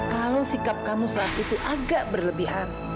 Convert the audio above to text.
kalau sikap kamu saat itu agak berlebihan